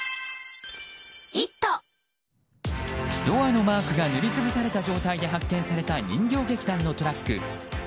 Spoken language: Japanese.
ドアのマークが塗り潰された状態で発見された人形劇団のトラック。